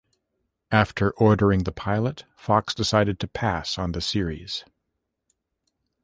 After ordering the pilot Fox decided to pass on the series.